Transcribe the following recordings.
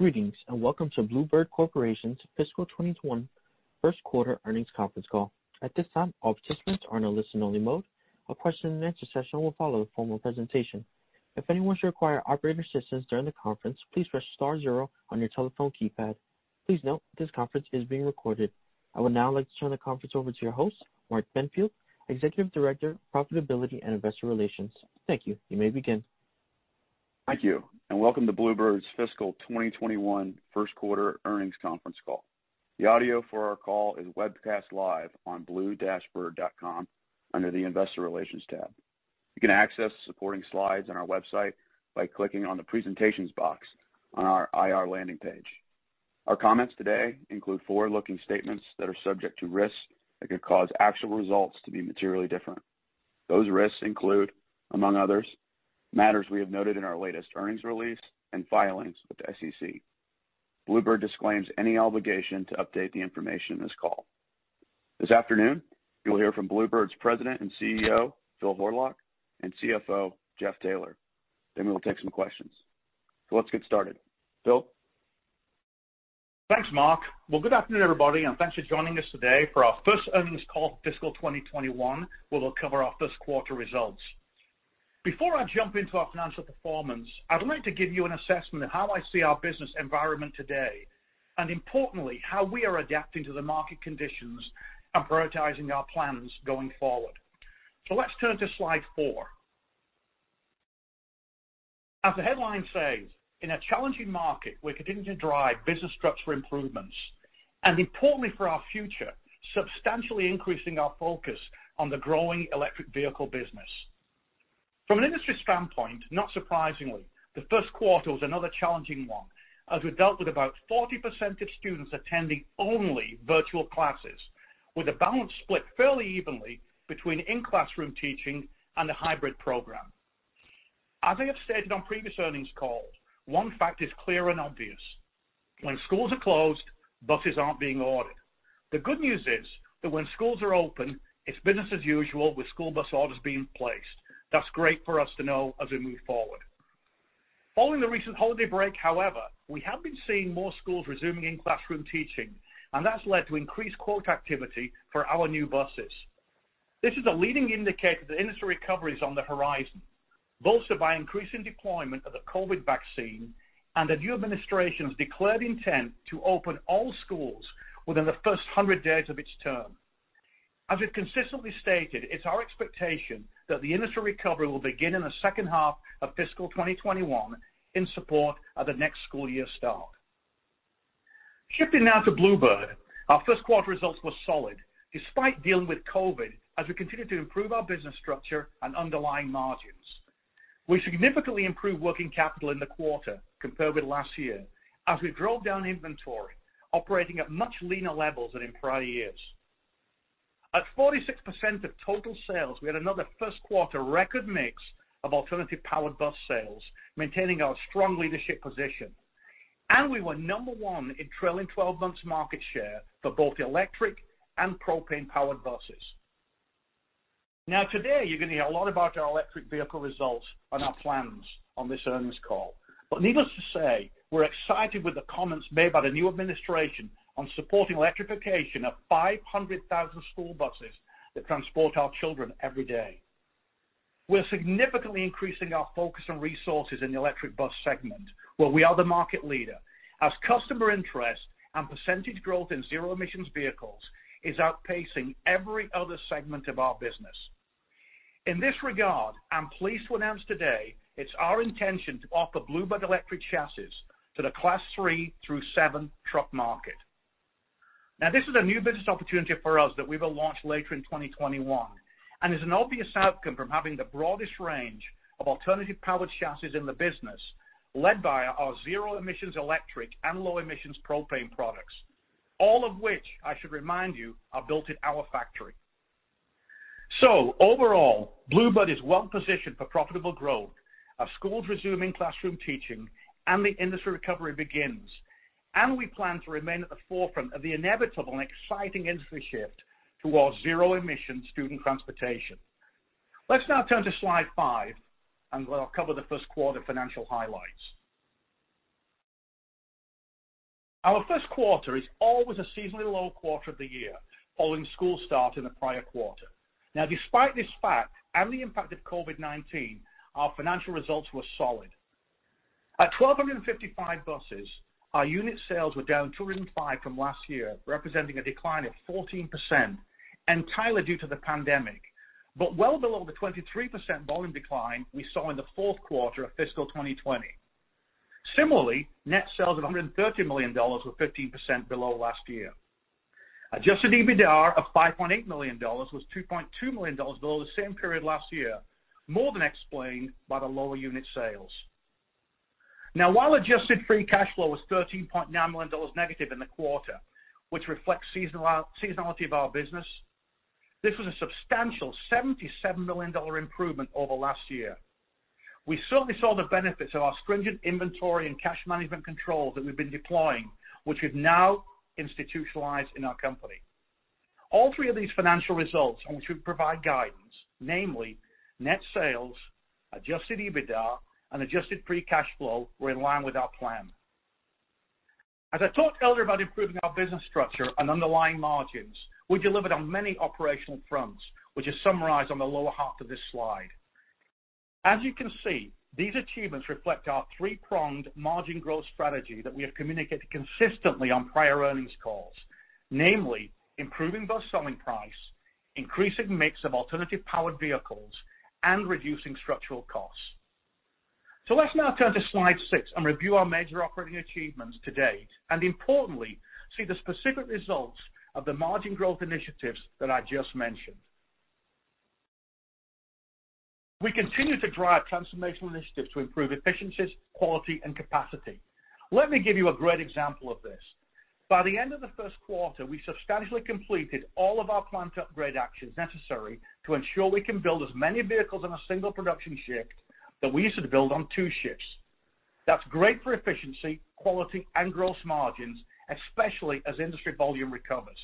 Greetings, and welcome to Blue Bird Corporation's fiscal 2021 first quarter earnings conference call. At this time, all participants are in a listen-only mode. A question-and-answer session will follow the formal presentation. If anyone should require operator assistance during the conference, please press star zero on your telephone keypad. Please note this conference is being recorded. I would now like to turn the conference over to your host, Mark Benfield, Executive Director of Profitability and Investor Relations. Thank you. You may begin. Thank you. Welcome to Blue Bird's fiscal 2021 first quarter earnings conference call. The audio for our call is webcast live on blue-bird.com under the Investor Relations tab. You can access supporting slides on our website by clicking on the presentations box on our IR landing page. Our comments today include forward-looking statements that are subject to risks that could cause actual results to be materially different. Those risks include, among others, matters we have noted in our latest earnings release and filings with the SEC. Blue Bird disclaims any obligation to update the information on this call. This afternoon, you will hear from Blue Bird's President and CEO, Phil Horlock, and CFO, Jeff Taylor. We will take some questions. Let's get started. Phil? Thanks, Mark. Well, good afternoon, everybody, and thanks for joining us today for our first earnings call for fiscal 2021, where we'll cover our first quarter results. Before I jump into our financial performance, I'd like to give you an assessment of how I see our business environment today, and importantly, how we are adapting to the market conditions and prioritizing our plans going forward. So let's turn to slide four. As the headline says, in a challenging market, we continue to drive business structure improvements, and importantly for our future, substantially increasing our focus on the growing electric vehicle business. From an industry standpoint, not surprisingly, the first quarter was another challenging one as we dealt with about 40% of students attending only virtual classes, with the balance split fairly evenly between in-classroom teaching and a hybrid program. As I have stated on previous earnings calls, one fact is clear and obvious. When schools are closed, buses aren't being ordered. The good news is that when schools are open, it's business as usual with school bus orders being placed. That's great for us to know as we move forward. Following the recent holiday break, however, we have been seeing more schools resuming in-classroom teaching, and that's led to increased quote activity for our new buses. This is a leading indicator the industry recovery is on the horizon, bolstered by increasing deployment of the COVID vaccine and the new administration's declared intent to open all schools within the first 100 days of its term. As we've consistently stated, it's our expectation that the industry recovery will begin in the second half of fiscal 2021 in support of the next school year start. Shifting now to Blue Bird, our first quarter results were solid despite dealing with COVID as we continued to improve our business structure and underlying margins. We significantly improved working capital in the quarter compared with last year as we drove down inventory, operating at much leaner levels than in prior years. At 46% of total sales, we had another first quarter record mix of alternative-powered bus sales, maintaining our strong leadership position. We were number one in trailing 12 months market share for both electric and propane-powered buses. Now today, you're going to hear a lot about our electric vehicle results and our plans on this earnings call. Needless to say, we're excited with the comments made by the new administration on supporting electrification of 500,000 school buses that transport our children every day. We're significantly increasing our focus and resources in the electric bus segment, where we are the market leader, as customer interest and percentage growth in zero emissions vehicles is outpacing every other segment of our business. In this regard, I'm pleased to announce today it's our intention to offer Blue Bird electric chassis to the Class 3-Class 7 truck market. Now, this is a new business opportunity for us that we will launch later in 2021, and is an obvious outcome from having the broadest range of alternative powered chassis in the business, led by our zero emissions electric and low emissions propane products. All of which, I should remind you, are built at our factory. So overall, Blue Bird is well positioned for profitable growth as schools resume in-classroom teaching and the industry recovery begins. We plan to remain at the forefront of the inevitable and exciting industry shift towards zero emission student transportation. Let's now turn to slide five, where I'll cover the first quarter financial highlights. Our first quarter is always a seasonally low quarter of the year following school start in the prior quarter. Despite this fact and the impact of COVID-19, our financial results were solid. At 1,255 buses, our unit sales were down 205 from last year, representing a decline of 14%, entirely due to the pandemic, but well below the 23% volume decline we saw in the fourth quarter of fiscal 2020. Similarly, net sales of $130 million were 15% below last year. Adjusted EBITDA of $5.8 million was $2.2 million below the same period last year, more than explained by the lower unit sales. Now while adjusted free cash flow was $13.9 million negative in the quarter, which reflects seasonality of our business, this was a substantial $77 million improvement over last year. We certainly saw the benefits of our stringent inventory and cash management controls that we've been deploying, which we've now institutionalized in our company. All three of these financial results on which we provide guidance, namely net sales, adjusted EBITDA, and adjusted free cash flow, were in line with our plan. As I talked earlier about improving our business structure and underlying margins, we delivered on many operational fronts, which is summarized on the lower half of this slide. As you can see, these achievements reflect our three-pronged margin growth strategy that we have communicated consistently on prior earnings calls, namely improving bus selling price, increasing mix of alternative powered vehicles, and reducing structural costs. So let's now turn to slide six and review our major operating achievements to date, and importantly, see the specific results of the margin growth initiatives that I just mentioned. We continue to drive transformational initiatives to improve efficiencies, quality, and capacity. Let me give you a great example of this. By the end of the first quarter, we substantially completed all of our plant upgrade actions necessary to ensure we can build as many vehicles in a single production shift that we used to build on two shifts. That's great for efficiency, quality, and gross margins, especially as industry volume recovers.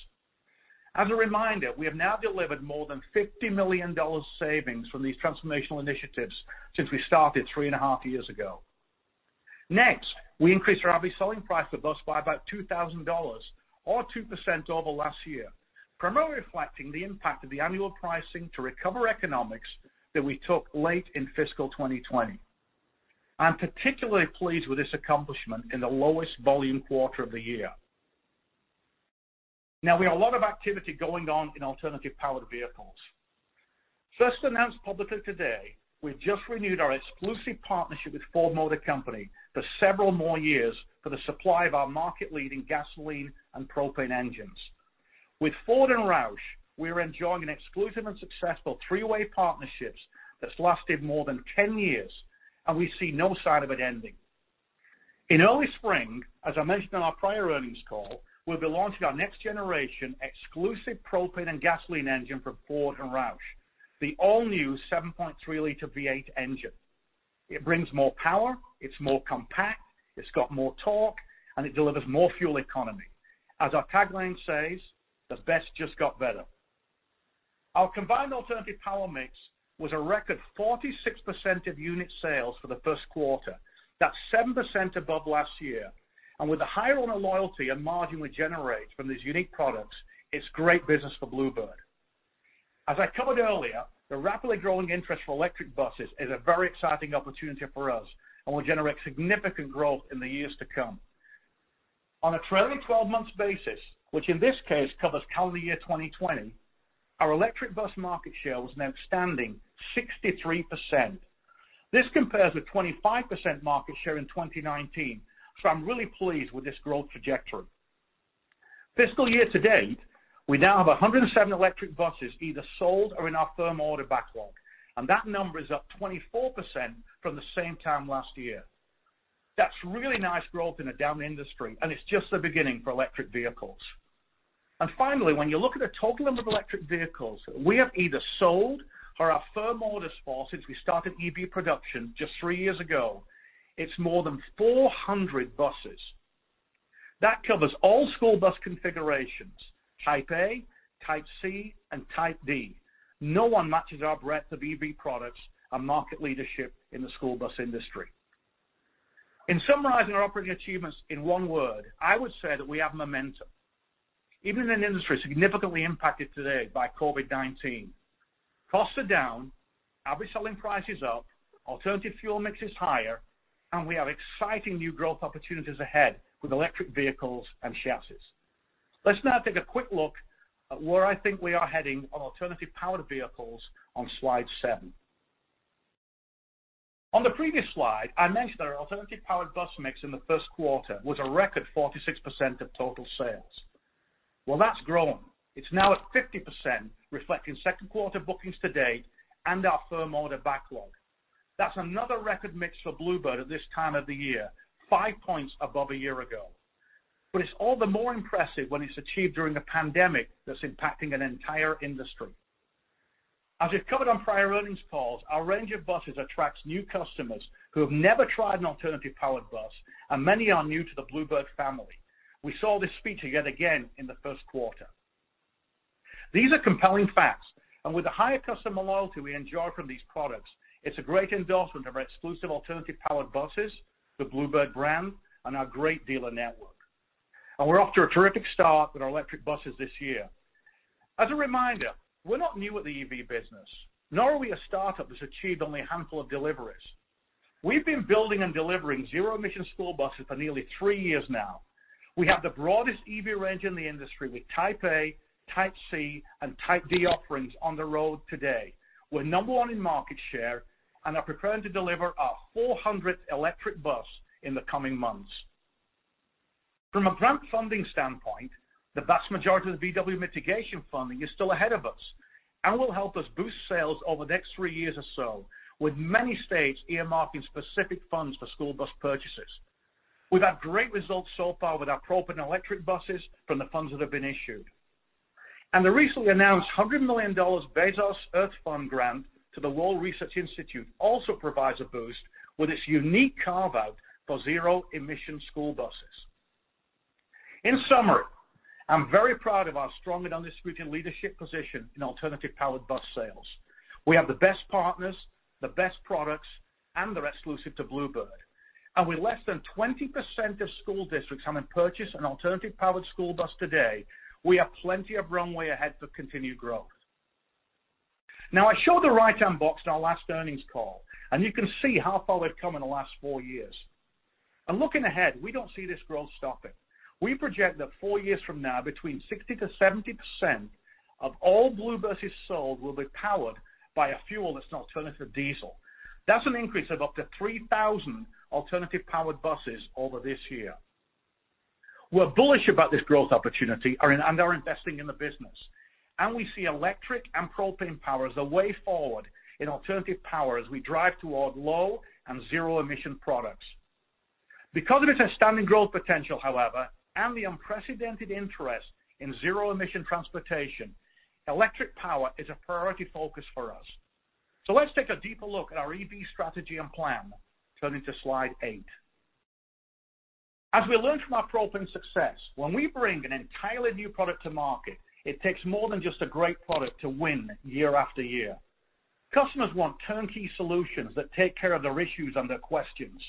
As a reminder, we have now delivered more than $50 million savings from these transformational initiatives since we started three and a half years ago. Next, we increased our average selling price of bus by about $2,000 or 2% over last year, primarily reflecting the impact of the annual pricing to recover economics that we took late in fiscal 2020. I'm particularly pleased with this accomplishment in the lowest volume quarter of the year. Now we have a lot of activity going on in alternative powered vehicles. First announced publicly today, we've just renewed our exclusive partnership with Ford Motor Company for several more years for the supply of our market leading gasoline and propane engines. With Ford and ROUSH, we are enjoying an exclusive and successful three-way partnerships that's lasted more than 10 years, and we see no sign of it ending. In early spring, as I mentioned on our prior earnings call, we'll be launching our next generation exclusive propane and gasoline engine for Ford and ROUSH, the all-new 7.3L V8 engine. It brings more power, it's more compact, it's got more torque, and it delivers more fuel economy. As our tagline says, the best just got better. Our combined alternative power mix was a record 46% of unit sales for the first quarter. That's 7% above last year. With the higher owner loyalty and margin we generate from these unique products, it's great business for Blue Bird. As I covered earlier, the rapidly growing interest for electric buses is a very exciting opportunity for us and will generate significant growth in the years to come. On a trailing 12-months basis, which in this case covers calendar year 2020, our electric bus market share was an outstanding 63%. This compares with 25% market share in 2019, so I'm really pleased with this growth trajectory. Fiscal year to date, we now have 107 electric buses either sold or in our firm order backlog. That number is up 24% from the same time last year. That's really nice growth in a down industry. It's just the beginning for electric vehicles. Finally, when you look at the total number of electric vehicles we have either sold or are firm orders for since we started EV production just three years ago, it's more than 400 buses. That covers all school bus configurations, Type A, Type C, and Type D. No one matches our breadth of EV products and market leadership in the school bus industry. In summarizing our operating achievements in one word, I would say that we have momentum, even in an industry significantly impacted today by COVID-19. Costs are down, average selling price is up, alternative fuel mix is higher, and we have exciting new growth opportunities ahead with electric vehicles and chassis. Let's now take a quick look at where I think we are heading on alternative powered vehicles on slide seven. On the previous slide, I mentioned that our alternative powered bus mix in the first quarter was a record 46% of total sales. Well, that's grown. It's now at 50%, reflecting second quarter bookings to date and our firm order backlog. That's another record mix for Blue Bird at this time of the year, five points above a year ago. It's all the more impressive when it's achieved during a pandemic that's impacting an entire industry. As we've covered on prior earnings calls, our range of buses attracts new customers who have never tried an alternative powered bus, and many are new to the Blue Bird family. We saw this feature yet again in the first quarter. These are compelling facts, with the higher customer loyalty we enjoy from these products, it's a great endorsement of our exclusive alternative powered buses, the Blue Bird brand, and our great dealer network. We're off to a terrific start with our electric buses this year. As a reminder, we're not new at the EV business, nor are we a startup that's achieved only a handful of deliveries. We've been building and delivering zero emission school buses for nearly three years now. We have the broadest EV range in the industry with Type A, Type C, and Type D offerings on the road today. We're number one in market share and are preparing to deliver our 400th electric bus in the coming months. From a grant funding standpoint, the vast majority of the VW mitigation funding is still ahead of us and will help us boost sales over the next three years or so, with many states earmarking specific funds for school bus purchases. We've had great results so far with our propane and electric buses from the funds that have been issued. The recently announced $100 million Bezos Earth Fund grant to the Lowell Research Institute also provides a boost with its unique carve out for zero emission school buses. In summary, I'm very proud of our strong and undisputed leadership position in alternative powered bus sales. We have the best partners, the best products, and they're exclusive to Blue Bird. With less than 20% of school districts having purchased an alternative powered school bus today, we have plenty of runway ahead for continued growth. Now, I showed the right-hand box in our last earnings call, you can see how far we've come in the last four years. Looking ahead, we don't see this growth stopping. We project that four years from now, between 60%-70% of all Blue Bird buses sold will be powered by a fuel that's an alternative to diesel. That's an increase of up to 3,000 alternative powered buses over this year. We're bullish about this growth opportunity and are investing in the business, we see electric and propane power as the way forward in alternative power as we drive toward low and zero emission products. Because of its outstanding growth potential, however, and the unprecedented interest in zero emission transportation, electric power is a priority focus for us. Let's take a deeper look at our EV strategy and plan, turning to slide eight. As we learned from our propane success, when we bring an entirely new product to market, it takes more than just a great product to win year after year. Customers want turnkey solutions that take care of their issues and their questions.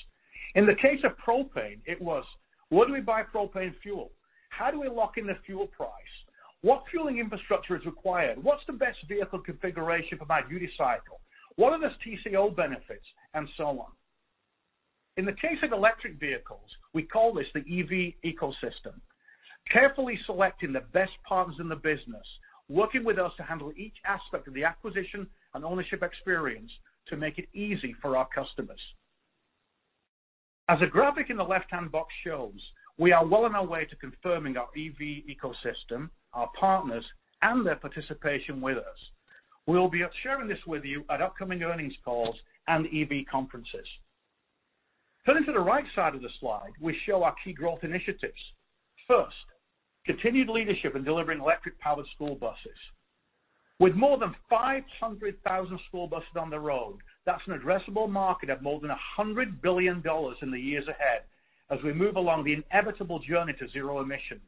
In the case of propane, it was. Where do we buy propane fuel? How do we lock in the fuel price? What fueling infrastructure is required? What's the best vehicle configuration for my duty cycle? What are the TCO benefits? And so on. In the case of electric vehicles, we call this the EV ecosystem. Carefully selecting the best partners in the business, working with us to handle each aspect of the acquisition and ownership experience to make it easy for our customers. As the graphic in the left-hand box shows, we are well on our way to confirming our EV ecosystem, our partners, and their participation with us. We'll be sharing this with you at upcoming earnings calls and EV conferences. Turning to the right side of the slide, we show our key growth initiatives. First, continued leadership in delivering electric powered school buses. With more than 500,000 school buses on the road, that's an addressable market of more than $100 billion in the years ahead as we move along the inevitable journey to zero emissions.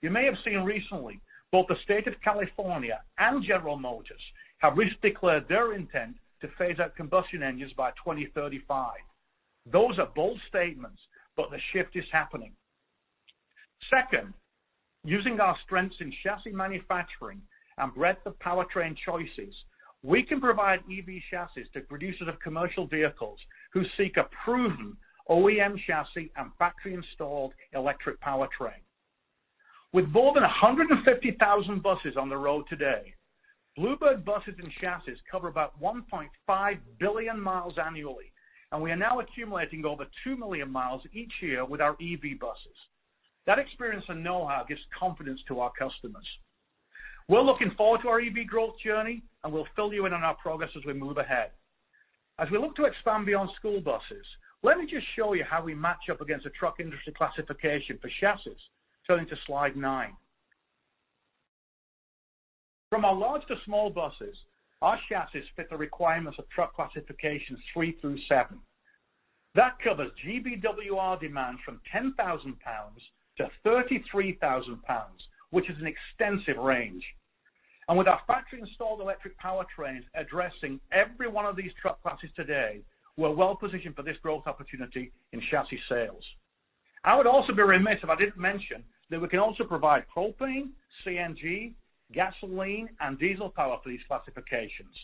You may have seen recently, both the state of California and General Motors have recently declared their intent to phase out combustion engines by 2035. Those are bold statements, but the shift is happening. Second, using our strengths in chassis manufacturing and breadth of powertrain choices, we can provide EV chassis to producers of commercial vehicles who seek a proven OEM chassis and factory-installed electric powertrain. With more than 150,000 buses on the road today, Blue Bird buses and chassis cover about 1.5 billion mi annually, and we are now accumulating over 2 million mi each year with our EV buses. That experience and know-how gives confidence to our customers. We're looking forward to our EV growth journey, and we'll fill you in on our progress as we move ahead. As we look to expand beyond school buses, let me just show you how we match up against a truck industry classification for chassis, turning to slide nine. From our largest to small buses, our chassis fit the requirements of truck Class 3-Class 7. That covers GVWR demand from 10,000 lbs to 33,000 lbs, which is an extensive range. With our factory-installed electric powertrains addressing every one of these truck classes today, we're well-positioned for this growth opportunity in chassis sales. I would also be remiss if I didn't mention that we can also provide propane, CNG, gasoline, and diesel power for these classifications.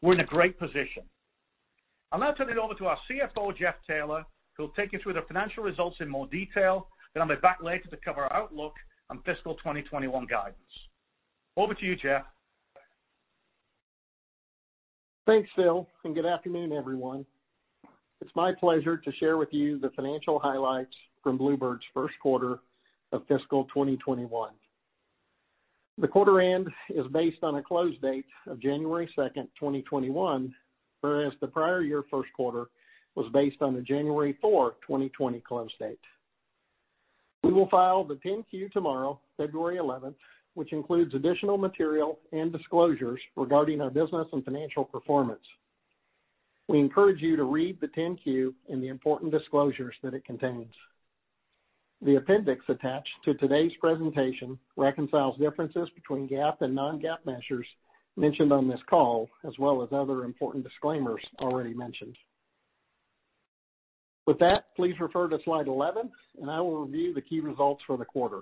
We're in a great position. I'll now turn it over to our CFO, Jeff Taylor, who will take you through the financial results in more detail, then I'll be back later to cover our outlook on fiscal 2021 guidance. Over to you, Jeff. Thanks, Phil. Good afternoon, everyone. It's my pleasure to share with you the financial highlights from Blue Bird's first quarter of fiscal 2021. The quarter end is based on a close date of January 2nd, 2021, whereas the prior year first quarter was based on the January 4th, 2020 close date. We will file the 10-Q tomorrow, February 11th, which includes additional material and disclosures regarding our business and financial performance. We encourage you to read the 10-Q and the important disclosures that it contains. The appendix attached to today's presentation reconciles differences between GAAP and non-GAAP measures mentioned on this call, as well as other important disclaimers already mentioned. With that, please refer to slide 11 and I will review the key results for the quarter.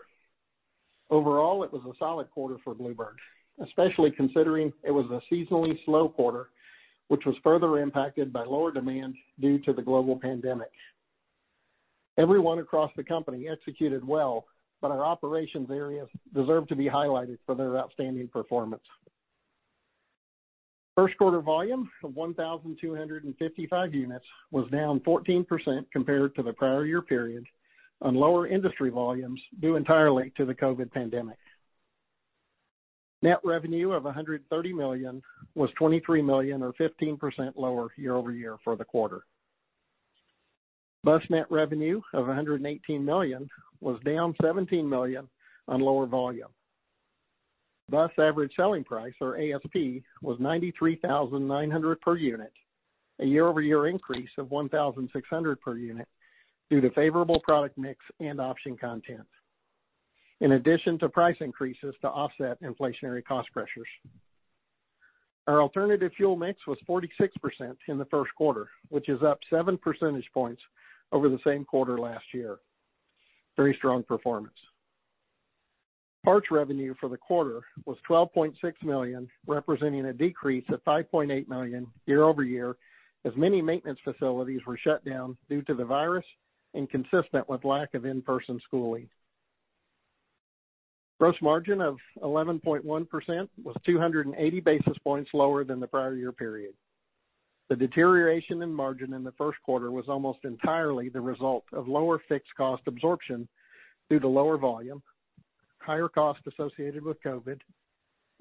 Overall, it was a solid quarter for Blue Bird, especially considering it was a seasonally slow quarter, which was further impacted by lower demand due to the global pandemic. Everyone across the company executed well, but our operations areas deserve to be highlighted for their outstanding performance. First quarter volume of 1,255 units was down 14% compared to the prior year period on lower industry volumes due entirely to the COVID pandemic. Net revenue of $130 million was $23 million, or 15% lower year-over-year for the quarter. Bus net revenue of $118 million was down $17 million on lower volume. Bus average selling price, or ASP, was $93,900 per unit, a year-over-year increase of $1,600 per unit due to favorable product mix and option content, in addition to price increases to offset inflationary cost pressures. Our alternative fuel mix was 46% in the first quarter, which is up seven percentage points over the same quarter last year. Very strong performance. Parts revenue for the quarter was $12.6 million, representing a decrease of $5.8 million year-over-year, as many maintenance facilities were shut down due to the virus, and consistent with lack of in-person schooling. Gross margin of 11.1% was 280 basis points lower than the prior year period. The deterioration in margin in the first quarter was almost entirely the result of lower fixed cost absorption due to lower volume, higher costs associated with COVID,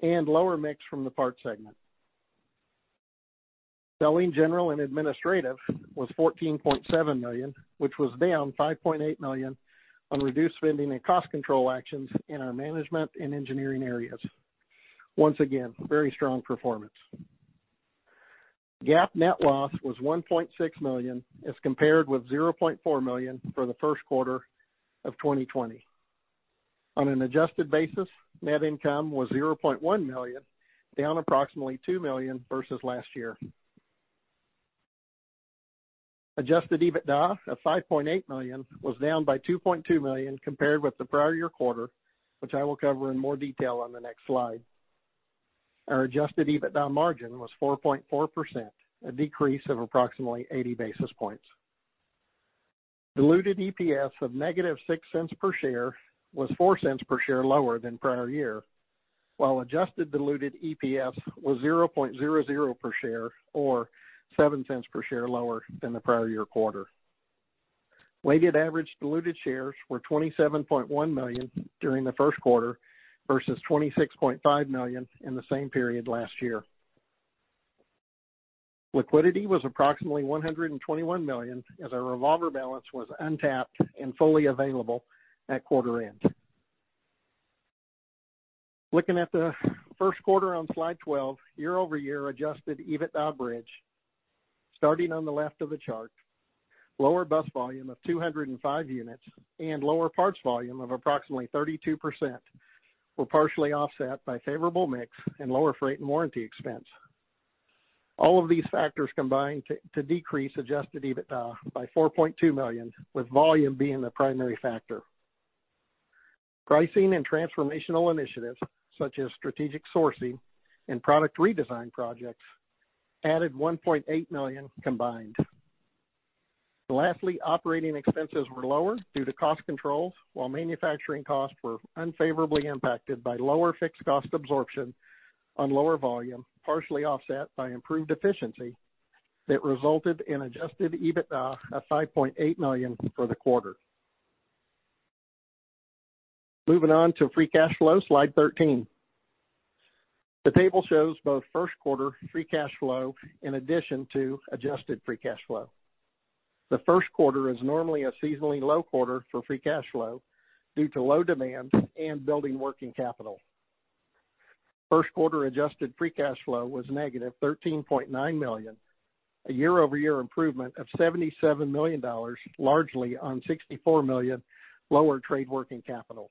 and lower mix from the parts segment. Selling, general, and administrative was $14.7 million, which was down $5.8 million on reduced spending and cost control actions in our management and engineering areas. Once again, very strong performance. GAAP net loss was $1.6 million, as compared with $0.4 million for the first quarter of 2020. On an adjusted basis, net income was $0.1 million, down approximately $2 million versus last year. Adjusted EBITDA of $5.8 million was down by $2.2 million compared with the prior year quarter, which I will cover in more detail on the next slide. Our adjusted EBITDA margin was 4.4%, a decrease of approximately 80 basis points. Diluted EPS of negative $0.06 per share was $0.04 per share lower than prior year, while adjusted diluted EPS was $0.00 per share, or $0.07 per share lower than the prior year quarter. Weighted average diluted shares were $27.1 million during the first quarter versus $26.5 million in the same period last year. Liquidity was approximately $121 million, as our revolver balance was untapped and fully available at quarter end. Looking at the first quarter on slide 12, year-over-year adjusted EBITDA bridge. Starting on the left of the chart, lower bus volume of 205 units and lower parts volume of approximately 32% were partially offset by favorable mix and lower freight and warranty expense. All of these factors combined to decrease adjusted EBITDA by $4.2 million, with volume being the primary factor. Pricing and transformational initiatives, such as strategic sourcing and product redesign projects, added $1.8 million combined. Lastly, operating expenses were lower due to cost controls, while manufacturing costs were unfavorably impacted by lower fixed cost absorption on lower volume, partially offset by improved efficiency, that resulted in adjusted EBITDA of $5.8 million for the quarter. Moving on to free cash flow, slide 13. The table shows both first quarter free cash flow in addition to adjusted free cash flow. The first quarter is normally a seasonally low quarter for free cash flow due to low demand and building working capital. First quarter adjusted free cash flow was -$13.9 million, a year-over-year improvement of $77 million, largely on $64 million lower trade working capital.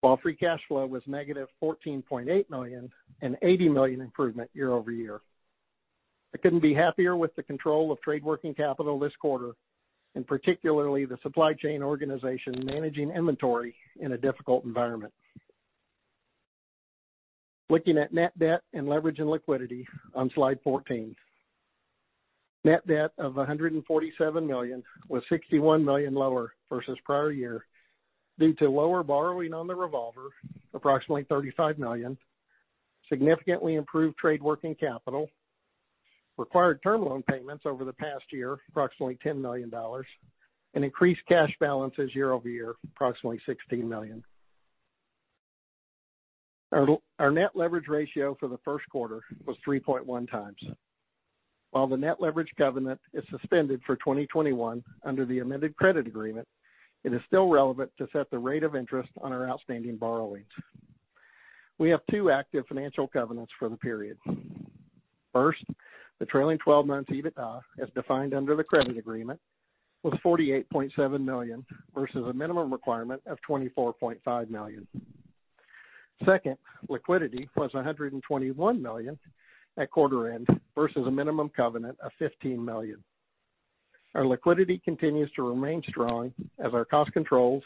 While free cash flow was -$14.8 million, an $80 million improvement year-over-year. I couldn't be happier with the control of trade working capital this quarter, and particularly the supply chain organization managing inventory in a difficult environment. Looking at net debt and leverage and liquidity on slide 14. Net debt of $147 million was $61 million lower versus prior year due to lower borrowing on the revolver, approximately $35 million, significantly improved trade working capital, required term loan payments over the past year, approximately $10 million, and increased cash balances year-over-year, approximately $16 million. Our net leverage ratio for the first quarter was 3.1x. While the net leverage covenant is suspended for 2021 under the amended credit agreement, it is still relevant to set the rate of interest on our outstanding borrowings. We have two active financial covenants for the period. First, the trailing 12 months EBITDA, as defined under the credit agreement, was $48.7 million versus a minimum requirement of $24.5 million. Second, liquidity was $121 million at quarter end versus a minimum covenant of $15 million. Our liquidity continues to remain strong as our cost controls,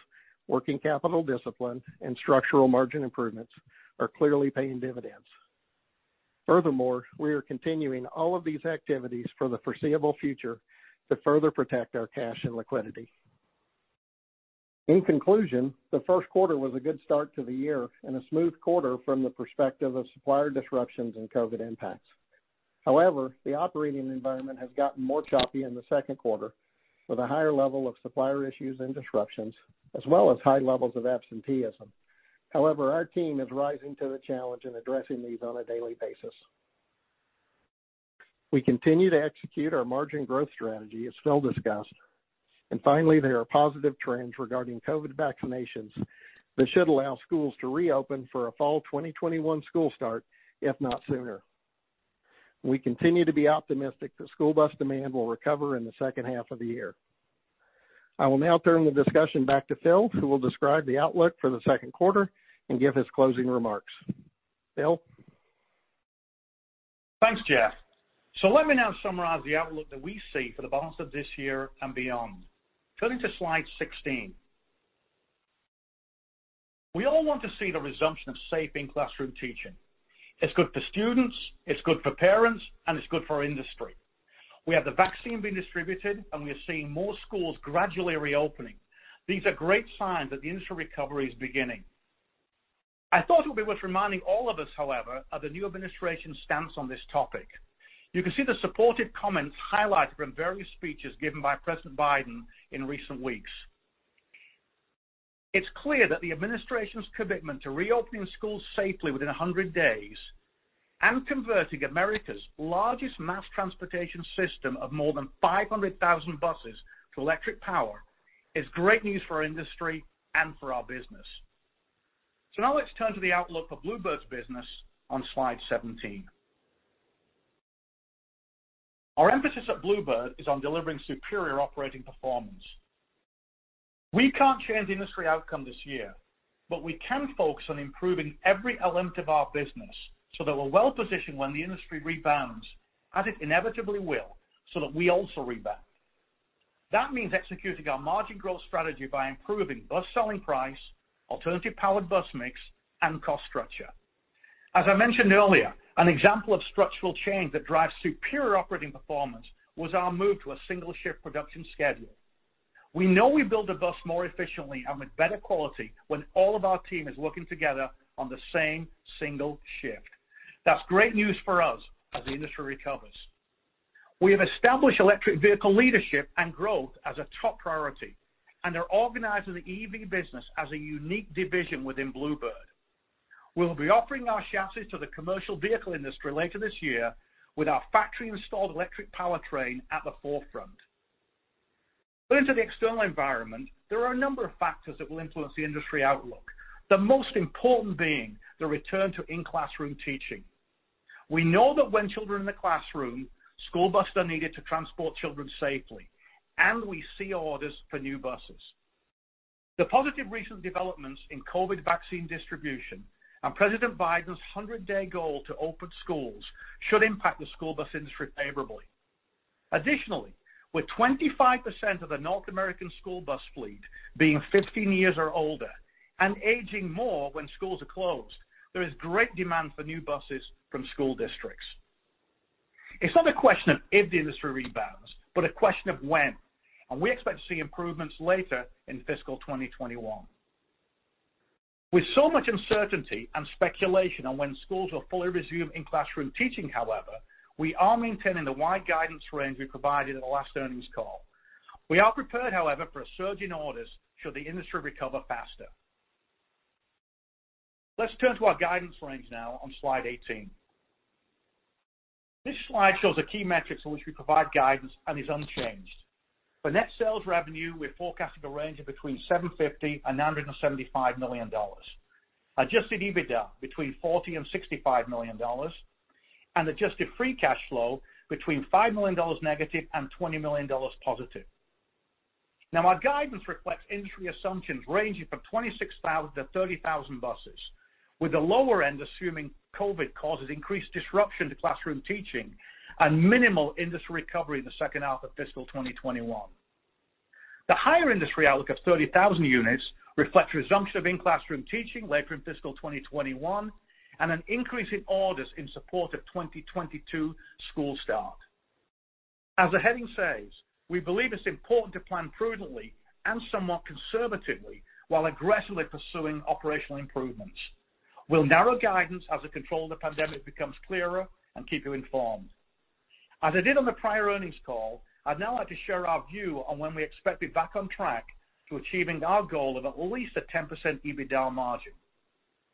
working capital discipline, and structural margin improvements are clearly paying dividends. Furthermore, we are continuing all of these activities for the foreseeable future to further protect our cash and liquidity. In conclusion, the first quarter was a good start to the year and a smooth quarter from the perspective of supplier disruptions and COVID impacts. However, the operating environment has gotten more choppy in the second quarter with a higher level of supplier issues and disruptions, as well as high levels of absenteeism. However, our team is rising to the challenge and addressing these on a daily basis. We continue to execute our margin growth strategy, as Phil discussed. Finally, there are positive trends regarding COVID vaccinations that should allow schools to reopen for a fall 2021 school start, if not sooner. We continue to be optimistic that school bus demand will recover in the second half of the year. I will now turn the discussion back to Phil, who will describe the outlook for the second quarter and give his closing remarks. Phil. Thanks, Jeff. Let me now summarize the outlook that we see for the balance of this year and beyond. Turning to slide 16. We all want to see the resumption of safe in-classroom teaching. It's good for students, it's good for parents, and it's good for our industry. We have the vaccine being distributed, and we are seeing more schools gradually reopening. These are great signs that the industry recovery is beginning. I thought it would be worth reminding all of us, however, of the new administration's stance on this topic. You can see the supported comments highlighted from various speeches given by President Biden in recent weeks. It's clear that the administration's commitment to reopening schools safely within 100 days and converting America's largest mass transportation system of more than 500,000 buses to electric power is great news for our industry and for our business. Now, let's turn to the outlook for Blue Bird's business on slide 17. Our emphasis at Blue Bird is on delivering superior operating performance. We can't change the industry outcome this year, but we can focus on improving every element of our business so that we're well-positioned when the industry rebounds, as it inevitably will, so that we also rebound. That means executing our margin growth strategy by improving bus selling price, alternative powered bus mix, and cost structure. As I mentioned earlier, an example of structural change that drives superior operating performance was our move to a single shift production schedule. We know we build a bus more efficiently and with better quality when all of our team is working together on the same single shift. That's great news for us as the industry recovers. We have established electric vehicle leadership and growth as a top priority and are organizing the EV business as a unique division within Blue Bird. We'll be offering our chassis to the commercial vehicle industry later this year with our factory-installed electric powertrain at the forefront. Into the external environment, there are a number of factors that will influence the industry outlook, the most important being the return to in-classroom teaching. We know that when children are in the classroom, school buses are needed to transport children safely, and we see orders for new buses. The positive recent developments in COVID vaccine distribution and President Biden's 100-day goal to open schools should impact the school bus industry favorably. Additionally, with 25% of the North American school bus fleet being 15 years or older and aging more when schools are closed, there is great demand for new buses from school districts. It's not a question of if the industry rebounds, but a question of when, and we expect to see improvements later in fiscal 2021. With so much uncertainty and speculation on when schools will fully resume in-classroom teaching, however, we are maintaining the wide guidance range we provided at the last earnings call. We are prepared, however, for a surge in orders should the industry recover faster. Let's turn to our guidance range now on slide 18. This slide shows the key metrics on which we provide guidance and is unchanged. For net sales revenue, we're forecasting a range of between $750 million and $975 million. Adjusted EBITDA, between $40 million and $65 million. Adjusted free cash flow, between $5 million negative and $20 million positive. Our guidance reflects industry assumptions ranging from 26,000 to 30,000 buses, with the lower end assuming COVID causes increased disruption to classroom teaching and minimal industry recovery in the second half of fiscal 2021. The higher industry outlook of 30,000 units reflects resumption of in-classroom teaching later in fiscal 2021 and an increase in orders in support of 2022 school start. As the heading says, we believe it's important to plan prudently and somewhat conservatively while aggressively pursuing operational improvements. We'll narrow guidance as the control of the pandemic becomes clearer and keep you informed. As I did on the prior earnings call, I'd now like to share our view on when we expect to be back on track to achieving our goal of at least a 10% EBITDA margin.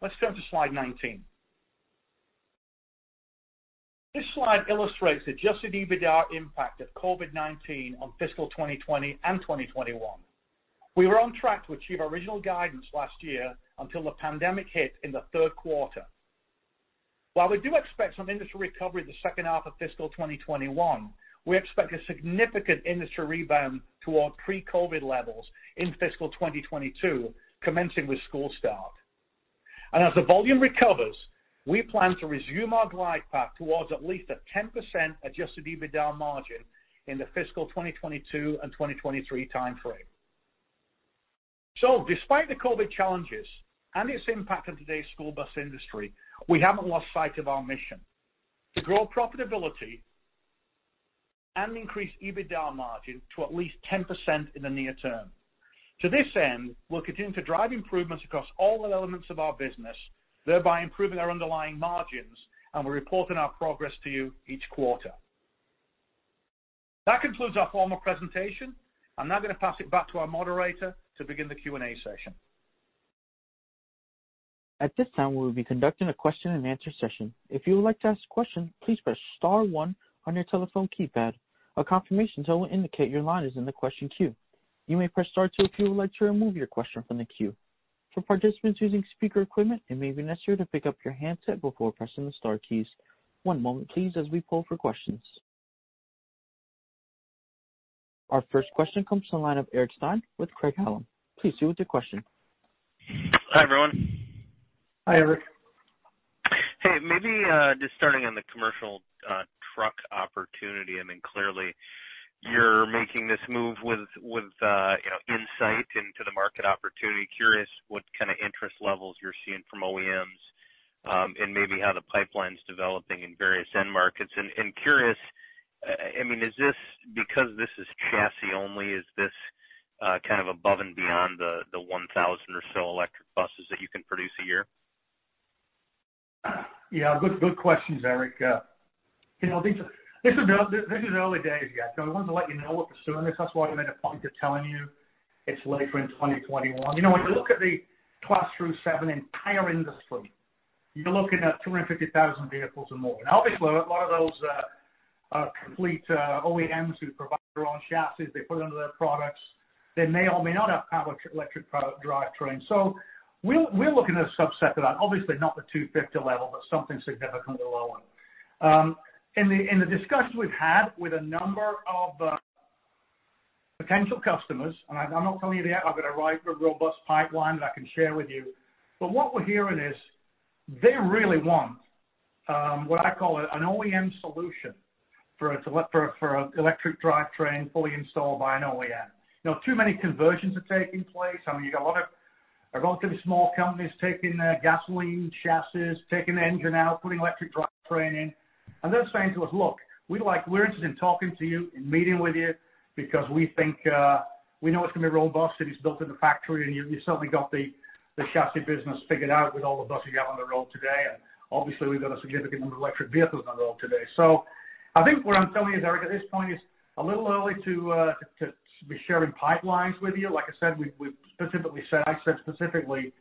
Let's turn to slide 19. This slide illustrates adjusted EBITDA impact of COVID-19 on fiscal 2020 and 2021. We were on track to achieve our original guidance last year until the pandemic hit in the third quarter. While we do expect some industry recovery in the second half of fiscal 2021, we expect a significant industry rebound to our pre-COVID levels in fiscal 2022, commencing with school start. As the volume recovers, we plan to resume our glide path towards at least a 10% adjusted EBITDA margin in the fiscal 2022 and 2023 timeframe. So, despite the COVID challenges and its impact on today's school bus industry, we haven't lost sight of our mission to grow profitability and increase EBITDA margin to at least 10% in the near term. To this end, we'll continue to drive improvements across all the elements of our business, thereby improving our underlying margins, and we're reporting our progress to you each quarter. That concludes our formal presentation. I'm now going to pass it back to our moderator to begin the Q&A session. At this time, we will be conducting a question and answer session. If you would like to ask a question, please press star one on your telephone keypad. A confirmation tone will indicate your line is in the question queue. You may press star two if you would like to remove your question from the queue. For participants using speaker equipment, it may be necessary to pick up your handset before pressing the star keys. One moment please, as we poll for questions. Our first question comes from the line of Eric Stine with Craig-Hallum. Please proceed with your question. Hi, everyone. Hi, Eric. Hey, maybe just starting on the commercial truck opportunity. Clearly, you're making this move with insight into the market opportunity. Curious what kind of interest levels you're seeing from OEMs, and maybe how the pipeline's developing in various end markets. Curious, because this is chassis only, is this above and beyond the 1,000 or so electric buses that you can produce a year? Yeah. Good questions, Eric. This is early days yet, so we wanted to let you know we're pursuing this. That's why we made a point of telling you it's later in 2021. When you look at the Class 3-Class 7 entire industry, you're looking at 250,000 vehicles or more. Now, obviously, a lot of those are complete OEMs who provide their own chassis. They put it under their products. They may or may not have electric product drivetrain. So we're looking at a subset of that. Obviously, not the 250 level, but something significantly lower. In the discussions we've had with a number of potential customers, I'm not telling you they have. I've got a ripe, robust pipeline that I can share with you. What we're hearing is they really want what I call an OEM solution for an electric drivetrain fully installed by an OEM. Too many conversions are taking place. You've got a lot of relatively small companies taking their gasoline chassis, taking the engine out, putting electric drivetrain in. They're saying to us, "Look, we're interested in talking to you, in meeting with you because we know it's going to be robust and it's built in a factory, and you've certainly got the chassis business figured out with all the buses you have on the road today." Obviously, we've got a significant number of electric vehicles on the road today. I think what I'm telling you, Eric, at this point it's a little early to be sharing pipelines with you. Like I said specifically,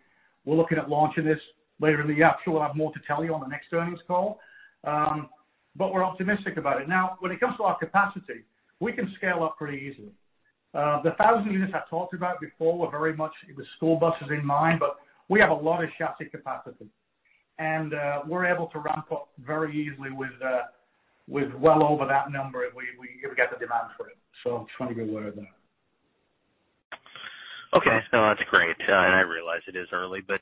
we're looking at launching this later in the year. I'm sure we'll have more to tell you on the next earnings call. But we're optimistic about it. When it comes to our capacity, we can scale up pretty easily. The 1,000 units I talked about before were very much with school buses in mind, we have a lot of chassis capacity. We're able to ramp up very easily with well over that number if we ever get the demand for it. I just want to be aware of that. Okay. No, that's great. I realize it is early. But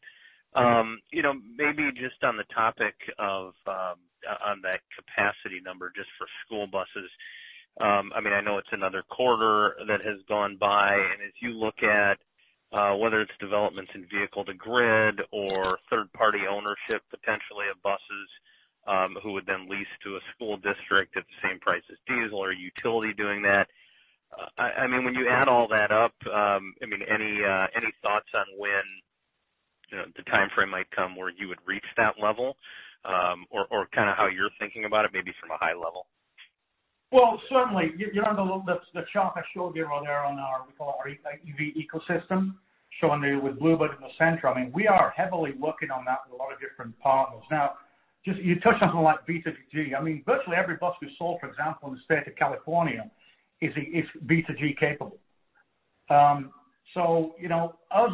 you know, on the topic of that capacity number just for school buses, I know it's another quarter that has gone by, and as you look at whether it's developments in vehicle to grid or third-party ownership, potentially of buses, who would then lease to a school district at the same price as diesel or utility doing that, when you add all that up, any thoughts on when the timeframe might come where you would reach that level? How you're thinking about it, maybe from a high level? Well, certainly. The chart I showed you on there on our, we call our EV ecosystem, showing you with Blue Bird in the center. We are heavily working on that with a lot of different partners. Now, you touched on something like V2G. Virtually every bus we've sold, for example, in the state of California is V2G capable. Us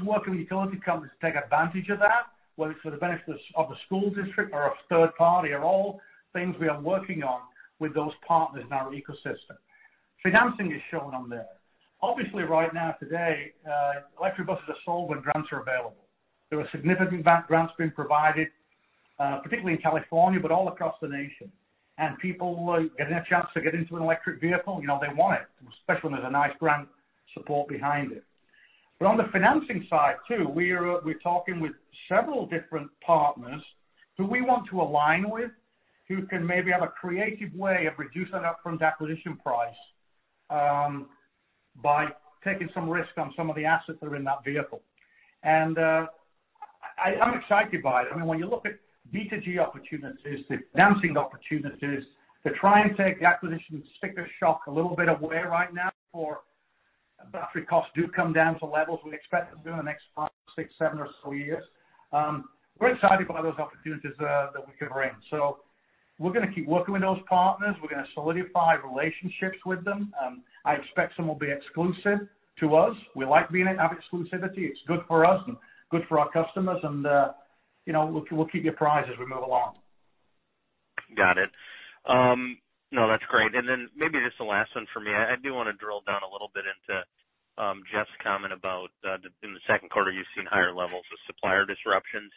working with utility companies to take advantage of that, whether it's for the benefit of the school district or a third party, are all things we are working on with those partners in our ecosystem. Financing is shown on there. Obviously, right now today, electric buses are sold when grants are available. There are significant grants being provided, particularly in California, but all across the nation. People getting a chance to get into an electric vehicle, they want it, especially when there's a nice grant support behind it. On the financing side too, we're talking with several different partners who we want to align with, who can maybe have a creative way of reducing that upfront acquisition price by taking some risk on some of the assets that are in that vehicle. I'm excited by it. When you look at V2G opportunities, the financing opportunities to try and take the acquisition sticker shock a little bit away right now for battery costs do come down to levels we expect them to in the next five years, six years, seven or so years. We're excited by those opportunities that we could bring. We're going to keep working with those partners. We're going to solidify relationships with them. I expect some will be exclusive to us. We like have exclusivity. It's good for us and good for our customers, and we'll keep you apprised as we move along. Got it. No, that's great. Maybe just the last one from me. I do want to drill down a little bit into Jeff's comment about, in the second quarter, you've seen higher levels of supplier disruptions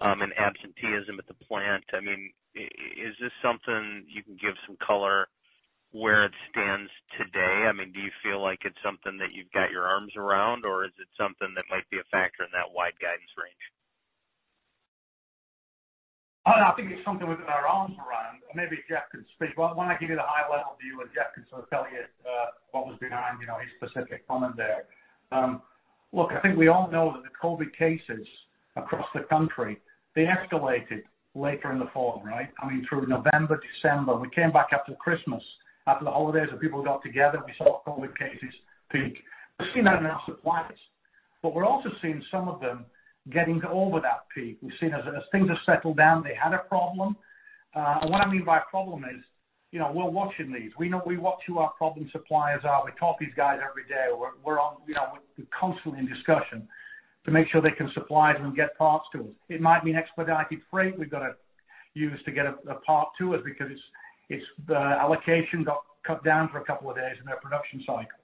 and absenteeism at the plant. I mean, is this something you can give some color where it stands today? Do you feel like it's something that you've got your arms around, or is it something that might be a factor in that wide guidance range? I think it's something within our arms around. Maybe Jeff could speak. Why don't I give you the high-level view, and Jeff can sort of tell you what was behind his specific comment there. Look, I think we all know that the COVID cases across the country, they escalated later in the fall, right? Through November, December. We came back after Christmas, after the holidays when people got together, we saw COVID cases peak. We've seen that in our suppliers. We're also seeing some of them getting over that peak. We've seen as things have settled down, they had a problem. What I mean by a problem is, we're watching these. We know we watch who our problem suppliers are. We talk to these guys every day. We're constantly in discussion to make sure they can supply and get parts to us. It might mean expedited freight we've got to use to get a part to us because the allocation got cut down for a couple of days in their production cycle.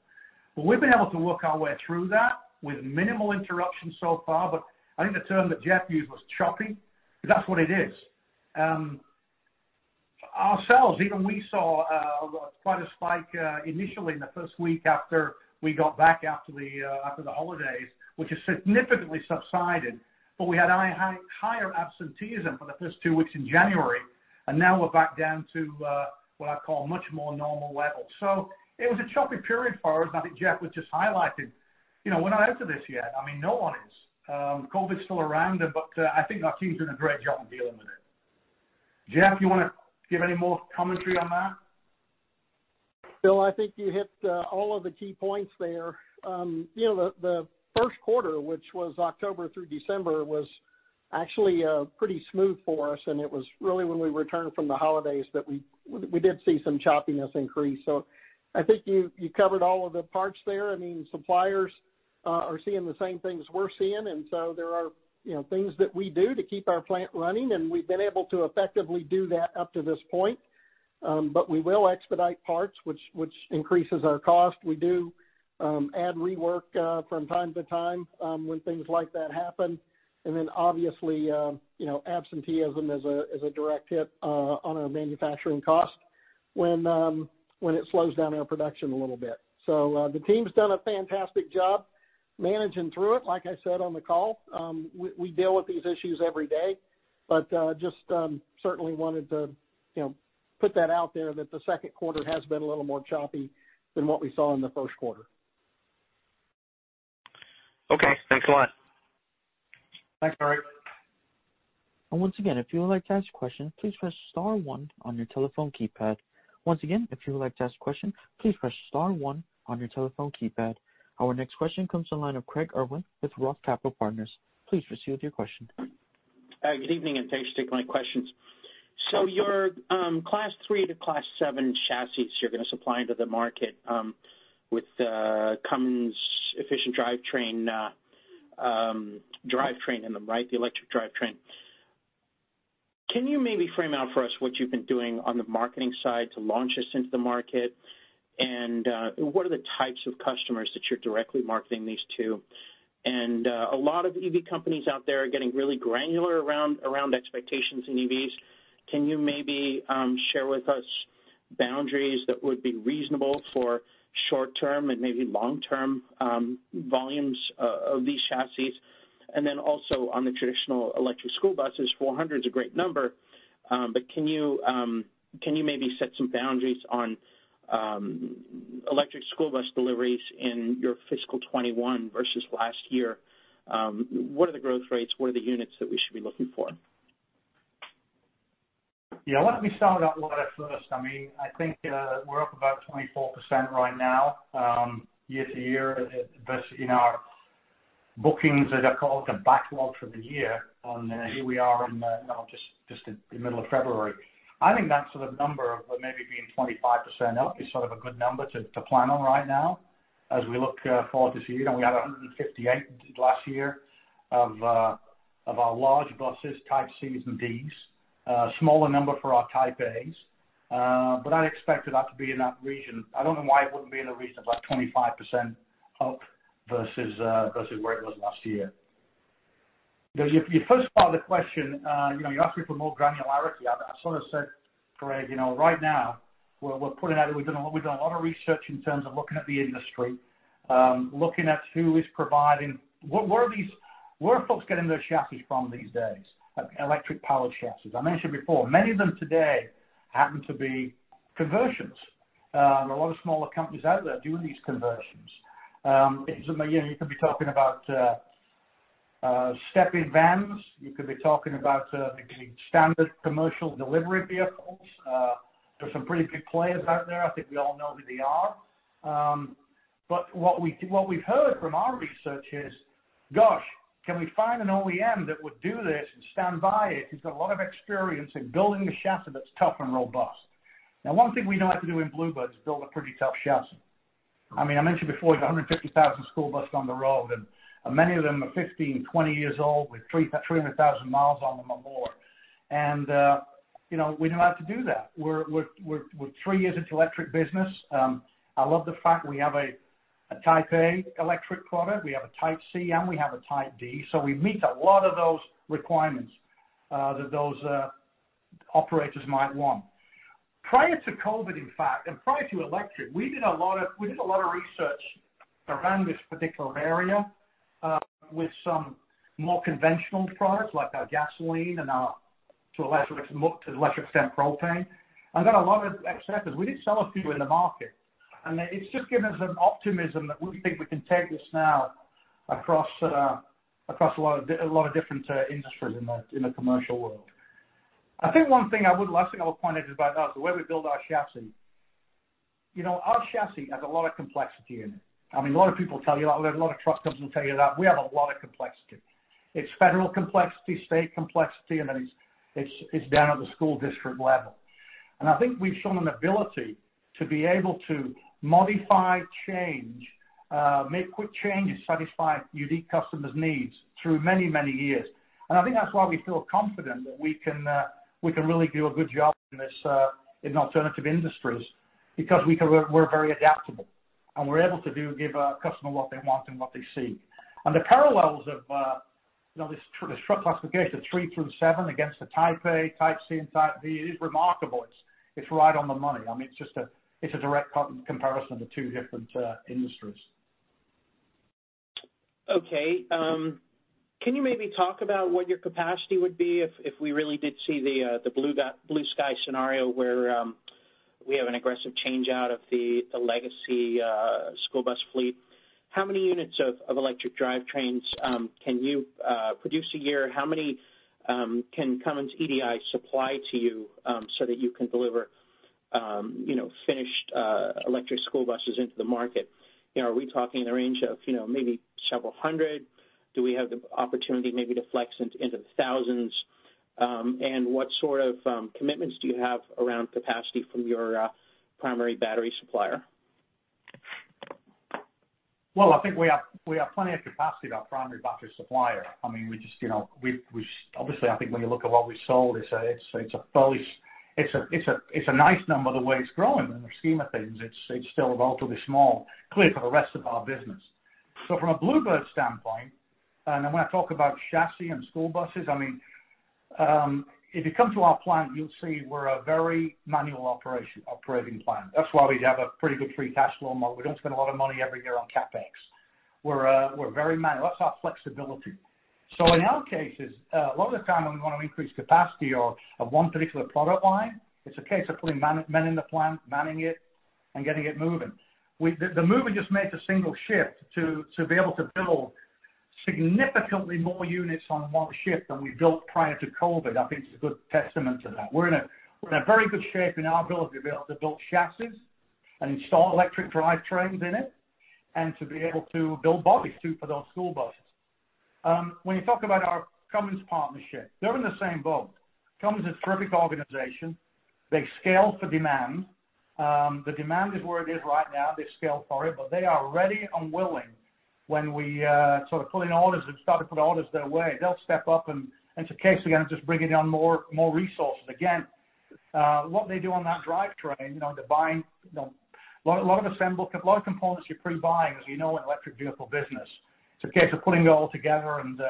We've been able to work our way through that with minimal interruption so far, but I think the term that Jeff used was choppy. Because that's what it is. Ourselves, even we saw quite a spike initially in the first week after we got back after the holidays, which has significantly subsided. We had higher absenteeism for the first two weeks in January, and now we're back down to what I'd call much more normal levels. It was a choppy period for us, and I think Jeff was just highlighting, we're not out of this yet. I mean, no one is. COVID's still around, but I think our team's doing a great job of dealing with it. Jeff, you want to give any more commentary on that? Phil, I think you hit all of the key points there. The first quarter, which was October through December, was actually pretty smooth for us, and it was really when we returned from the holidays that we did see some choppiness increase. So, I think you covered all of the parts there. Suppliers are seeing the same things we're seeing, and so there are things that we do to keep our plant running, and we've been able to effectively do that up to this point. We will expedite parts, which increases our cost. We do add rework from time to time when things like that happen. Obviously, absenteeism is a direct hit on our manufacturing cost when it slows down our production a little bit. The team's done a fantastic job managing through it, like I said on the call. We deal with these issues every day, but just certainly wanted to put that out there that the second quarter has been a little more choppy than what we saw in the first quarter. Okay, thanks a lot. Thanks, Eric. Once again if you like to ask question please press star one on your telephone keypad. Our next question comes from the line of Craig Irwin with Roth Capital Partners. Please proceed with your question. Good evening, thanks for taking my questions. Your Class 3 to Class 7 chassis you're going to supply into the market with Cummins Efficient Drivetrains in them, right? The electric drivetrain. Can you maybe frame out for us what you've been doing on the marketing side to launch this into the market? What are the types of customers that you're directly marketing these to? A lot of EV companies out there are getting really granular around expectations in EVs. Can you maybe share with us boundaries that would be reasonable for short-term and maybe long-term volumes of these chassis? Also on the traditional electric school buses, 400 is a great number. Can you maybe set some boundaries on electric school bus deliveries in your fiscal 2021 versus last year? What are the growth rates? What are the units that we should be looking for? Yeah, let me start with that order first. I think we're up about 24% right now year-over-year versus in our bookings that are called the backlog for the year on here we are in just the middle of February. I think that sort of number of maybe being 25% up is sort of a good number to plan on right now as we look forward to see. We had 158 last year of our large buses, Type Cs and Type Ds. A smaller number for our Type As. I'd expect that to be in that region. I don't know why it wouldn't be in the region of like 25% up versus where it was last year. Your first part of the question, you're asking for more granularity. I sort of said, Craig, right now we're putting out, we've done a lot of research in terms of looking at the industry, looking at who is providing. Where are folks getting their chassis from these days? Electric powered chassis. I mentioned before, many of them today happen to be conversions. There are a lot of smaller companies out there doing these conversions. You could be talking about step vans. You could be talking about the standard commercial delivery vehicles. There's some pretty big players out there. I think we all know who they are. What we've heard from our research is, gosh, can we find an OEM that would do this and stand by it, who's got a lot of experience in building a chassis that's tough and robust? Now, one thing we know how to do in Blue Bird is build a pretty tough chassis. I mentioned before, we've got 150,000 school buses on the road, and many of them are 15 years old, 20 years old with 300,000 mi on them or more. We know how to do that. We're three years into electric business. I love the fact we have a Type A electric product, we have a Type C, and we have a Type D. We meet a lot of those requirements that those operators might want. Prior to COVID, in fact, and prior to electric, we did a lot of research around this particular area with some more conventional products like our gasoline and our [inaudible] propane, and got a lot of acceptance. We did sell a few in the market. It's just given us an optimism that we think we can take this now across a lot of different industries in the commercial world. I think one thing I will point out is about us, the way we build our chassis. Our chassis has a lot of complexity in it. A lot of people tell you that. We have a lot of trust. Customers will tell you that. We have a lot of complexity. It's federal complexity, state complexity, then it's down at the school district level. I think we've shown an ability to be able to modify, change, make quick changes, satisfy unique customers' needs through many years. I think that's why we feel confident that we can really do a good job in alternative industries, because we're very adaptable, and we're able to give a customer what they want and what they seek. The parallels of this truck classification, the Class 3 through Class 7 against the Type A, Type C, and Type D, it is remarkable. It's right on the money. It's a direct comparison of the two different industries. Okay. Can you maybe talk about what your capacity would be if we really did see the blue sky scenario where we have an aggressive change-out of the legacy school bus fleet? How many units of electric drivetrains can you produce a year? How many can Cummins EDI supply to you so that you can deliver finished electric school buses into the market? Are we talking in the range of maybe several hundred? Do we have the opportunity maybe to flex into the thousands? What sort of commitments do you have around capacity from your primary battery supplier? Well, I think we have plenty of capacity with our primary battery supplier. Obviously, I think when you look at what we've sold, it's a nice number. The way it's growing in the scheme of things, it's still relatively small compared to the rest of our business. From a Blue Bird standpoint, and when I talk about chassis and school buses, if you come to our plant, you'll see we're a very manual operating plant. That's why we have a pretty good free cash flow model. We don't spend a lot of money every year on CapEx. We're very manual. That's our flexibility. In our cases, a lot of the time when we want to increase capacity of one particular product line, it's a case of putting men in the plant, manning it, and getting it moving. The move we just made, the single shift to be able to build significantly more units on one shift than we built prior to COVID, I think it's a good testament to that. We're in a very good shape in our ability to be able to build chassis and install electric drivetrains in it and to be able to build bodies too for those school buses. When you talk about our Cummins partnership, they're in the same boat. Cummins is a terrific organization. They scale to demand. The demand is where it is right now. They scale for it, they are ready and willing when we start to put orders their way. They'll step up, it's a case again of just bringing on more resources. What they do on that drivetrain, a lot of components you're pre-buying, as you know, in electric vehicle business. It's a case of putting it all together and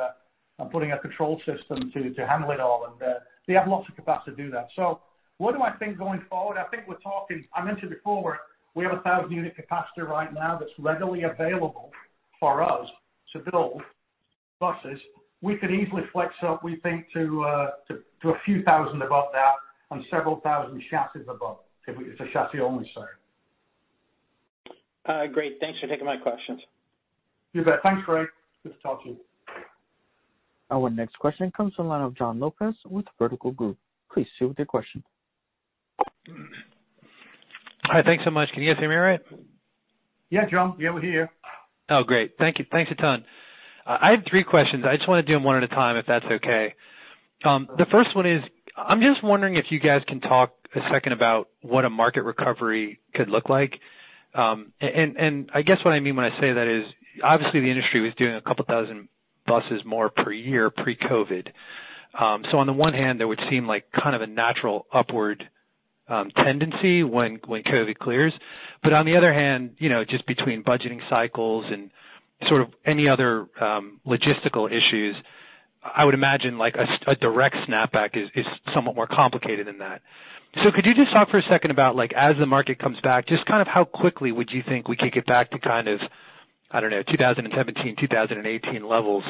putting a control system to handle it all. They have lots of capacity to do that. What do I think going forward? I mentioned before, we have 1,000 unit capacity right now that's readily available for us to build buses. We could easily flex up, we think, to a few thousand above that and several thousand chassis above, if it's a chassis-only sale. Great. Thanks for taking my questions. You bet. Thanks, Craig. Good to talk to you. Our next question comes from the line of Jon Lopez with Vertical Group. Please share with your question. Hi, thanks so much. Can you guys hear me all right? Yeah, Jon. Yeah, we hear you. Oh, great. Thank you. Thanks a ton. I have three questions. I just want to do them one at a time, if that's okay. The first one is, I'm just wondering if you guys can talk a second about what a market recovery could look like. I guess what I mean when I say that is, obviously the industry was doing a couple thousand buses more per year pre-COVID. On the one hand, there would seem like kind of a natural upward tendency when COVID clears. Then, on the other hand, just between budgeting cycles and any other logistical issues, I would imagine a direct snapback is somewhat more complicated than that. Could you just talk for a second about as the market comes back, just how quickly would you think we could get back to, I don't know, 2017, 2018 levels,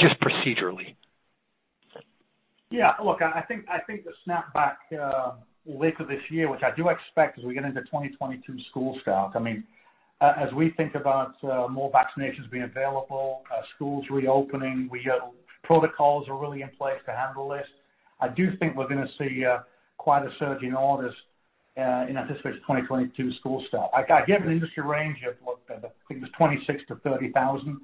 just procedurally? Yeah. Look, I think the snapback later this year, which I do expect as we get into 2022 school start. As we think about more vaccinations being available, schools reopening, protocols are really in place to handle this. I do think we're going to see quite a surge in orders in anticipation of 2022 school start. I give an industry range of, what, I think it was 26,000-30,000.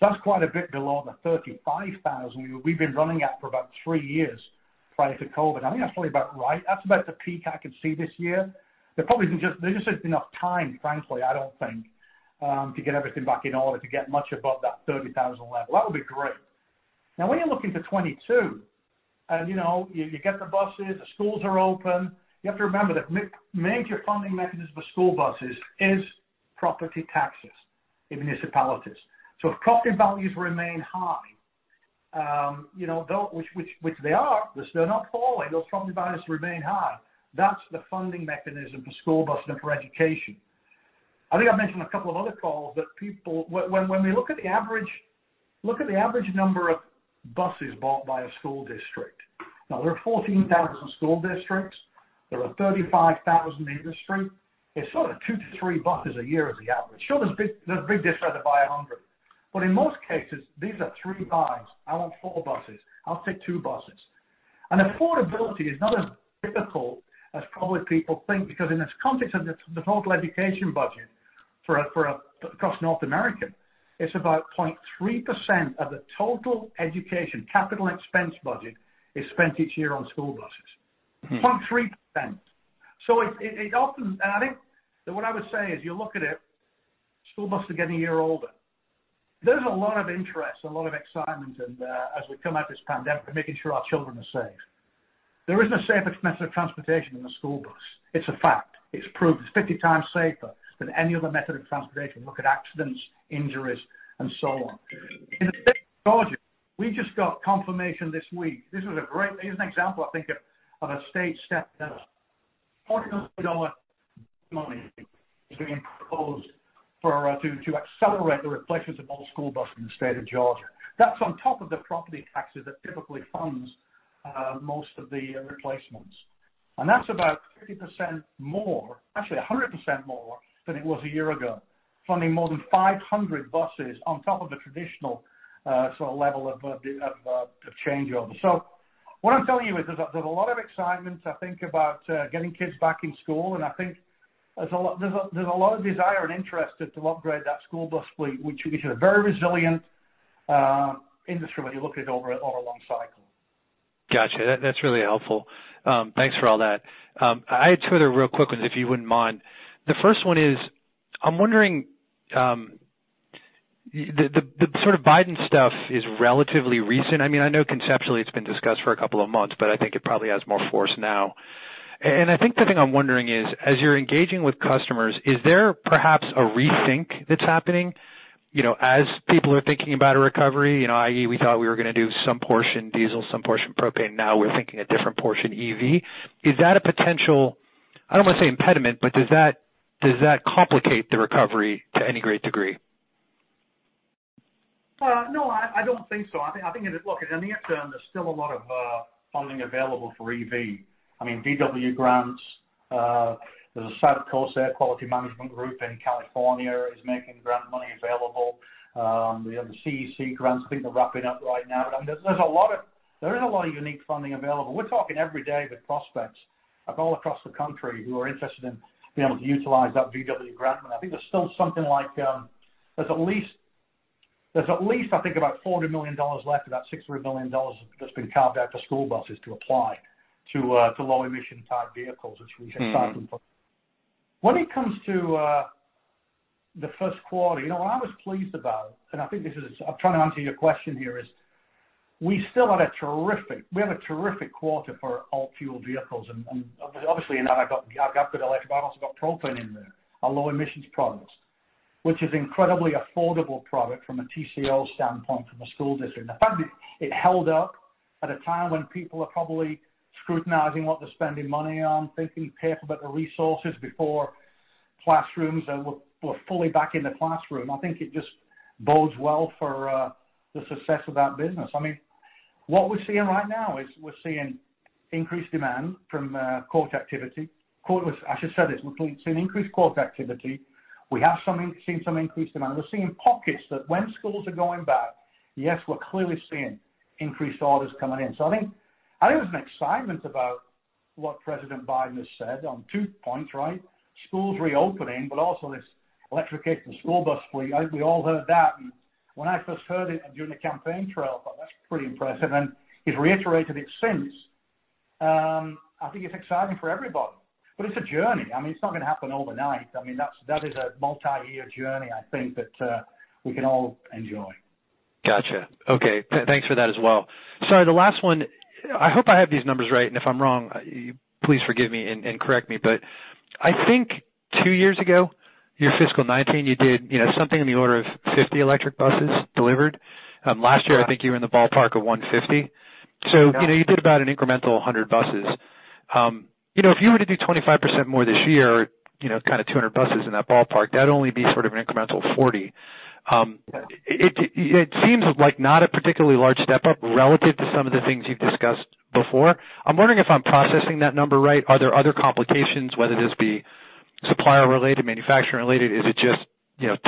That's quite a bit below the 35,000 we've been running at for about three years prior to COVID. I think that's probably about right. That's about the peak I could see this year. There just isn't enough time, frankly, I don't think, to get everything back in order to get much above that 30,000 level. That would be great. When you're looking to 2022, and you get the buses, the schools are open. You have to remember that major funding mechanisms for school buses is property taxes in municipalities. If property values remain high, which they are, they're still not falling. Those property values remain high. That's the funding mechanism for school bus and for education. I think I mentioned a couple of other calls that people, when we look at the average number of buses bought by a school district. There are 14,000 school districts. There are 35,000 in the industry. It's sort of two buses to three buses a year is the average. There's big districts that buy 100. In most cases, these are three buys. I want four buses. I'll take two buses. Affordability is not as difficult as probably people think, because in this context of the total education budget across North America, it's about 0.3% of the total education capital expense budget is spent each year on school buses. 0.3%. What I would say is, you look at it, school buses are getting a year older. There's a lot of interest, a lot of excitement as we come out of this pandemic making sure our children are safe. There is no safer method of transportation than a school bus. It's a fact. It's proved. It's 50 times safer than any other method of transportation. Look at accidents, injuries, and so on. In the state of Georgia, we just got confirmation this week. This is an example, I think, of a state step that $400 million is being proposed to accelerate the replacement of old school buses in the state of Georgia. That's on top of the property taxes that typically funds most of the replacements. That's about 30% more, actually 100% more than it was a year ago, funding more than 500 buses on top of the traditional level of changeover. What I'm telling you is there's a lot of excitement, I think, about getting kids back in school, and I think there's a lot of desire and interest to upgrade that school bus fleet, which is a very resilient industry when you look at it over a long cycle. Got you. That's really helpful. Thanks for all that. I had two other real quick ones, if you wouldn't mind. The first one is, I'm wondering, the Biden stuff is relatively recent. I know conceptually it's been discussed for a couple of months, but I think it probably has more force now. I think the thing I'm wondering is, as you're engaging with customers, is there perhaps a rethink that's happening? As people are thinking about a recovery, i.e., we thought we were going to do some portion diesel, some portion propane, now we're thinking a different portion EV. Is that a potential, I don't want to say impediment, but does that complicate the recovery to any great degree? No, I don't think so. I think, look, in the near term, there's still a lot of funding available for EV. VW grants, there's a South Coast Air Quality Management District in California is making grant money available. The CEC grants, I think they're wrapping up right now. And there is a lot of unique funding available. We're talking every day with prospects all across the country who are interested in being able to utilize that VW grant money. I think there's still something like, there's at least I think about $400 million left of that $600 million that's been carved out for school buses to apply to low emission type vehicles, which we think is exciting. When it comes to the first quarter, what I was pleased about, and I'm trying to answer your question here, is we still had a terrific quarter for alt-fuel vehicles. Obviously in that, I've got electric, but I've also got propane in there, a low emissions product, which is incredibly affordable product from a TCO standpoint from a school district. The fact that it held up at a time when people are probably scrutinizing what they're spending money on, thinking paper, the resources before classrooms were fully back in the classroom. I think it just bodes well for the success of that business. What we're seeing right now is we're seeing increased demand from quote activity. I should say this, we're seeing increased quote activity. We have seen some increased demand. We're seeing pockets that when schools are going back, yes, we're clearly seeing increased orders coming in. I think there's an excitement about what President Biden has said on two points, right? Schools reopening, but also this electric bus, the school bus fleet. We all heard that, and when I first heard it during the campaign trail, I thought, "That's pretty impressive." He's reiterated it since. I think it's exciting for everybody, but it's a journey. I mean, it's not going to happen overnight. That is a multi-year journey, I think, that we can all enjoy. Got you. Okay. Thanks for that as well. Sorry, the last one, I hope I have these numbers right, and if I'm wrong, please forgive me and correct me. I think two years ago, your fiscal 2019, you did something in the order of 50 electric buses delivered. Yeah. Last year, I think you were in the ballpark of 150. Yeah. So, you did about an incremental 100 buses. If you were to do 25% more this year, kind of 200 buses in that ballpark, that'd only be sort of an incremental 40. Yeah. It seems like not a particularly large step up relative to some of the things you've discussed before. I'm wondering if I'm processing that number right. Are there other complications, whether this be supplier related, manufacturer related? Is it just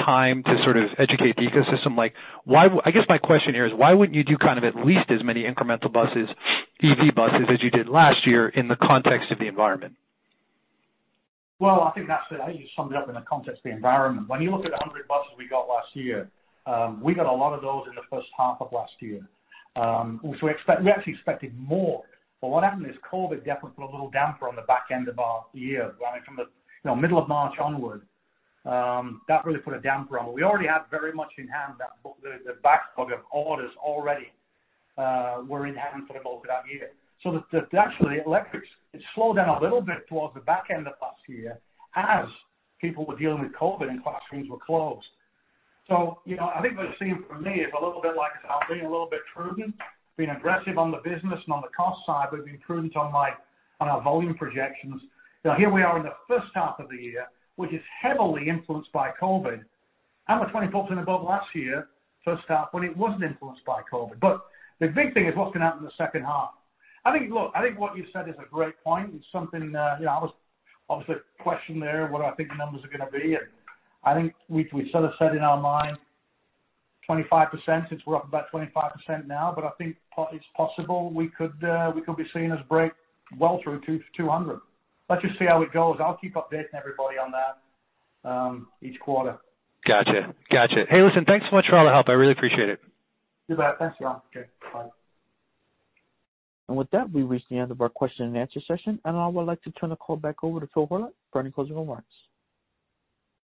time to sort of educate the ecosystem? I guess my question here is why wouldn't you do kind of at least as many incremental buses, EV buses, as you did last year in the context of the environment? Well, I think that's it. You summed it up in the context of the environment. When you look at 100 buses we got last year, we got a lot of those in the first half of last year. We actually expected more. What happened is COVID definitely put a little damper on the back end of our year. From the middle of March onward, that really put a damper on it. We already had very much in hand the backlog of orders already were in hand for the bulk of that year. Actually, electrics, it slowed down a little bit towards the back end of last year as people were dealing with COVID and classrooms were closed. I think what it seemed for me is a little bit like being a little bit prudent, being aggressive on the business and on the cost side, we've been prudent on our volume projections. Here we are in the first half of the year, which is heavily influenced by COVID, and we're 20% above last year, first half, when it wasn't influenced by COVID. But the big thing is what's going to happen in the second half. I think what you said is a great point. Obviously, the question there, what I think the numbers are going to be, and I think we sort of said in our mind 25%, since we're up about 25% now, but I think it's possible we could be seen as break well through to 200. Let's just see how it goes. I'll keep updating everybody on that each quarter. Got you. Hey, listen, thanks so much for all the help. I really appreciate it. You bet. Thanks, Jon. Okay, bye. With that, we've reached the end of our question and answer session, and I would like to turn the call back over to Phil Horlock for any closing remarks.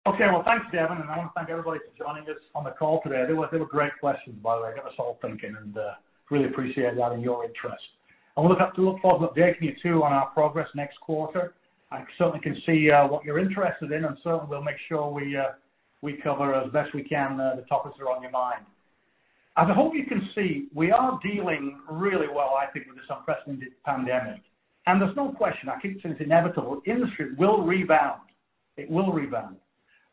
Okay. Well, thanks, Devin. I want to thank everybody for joining us on the call today. They were great questions, by the way. Got us all thinking. Really appreciate that and your interest. We look forward to updating you, too, on our progress next quarter. I certainly can see what you're interested in. We'll make sure we cover as best we can the topics that are on your mind. As I hope you can see, we are dealing really well, I think, with this unprecedented pandemic. There's no question, I keep saying it's inevitable, industry will rebound. It will rebound.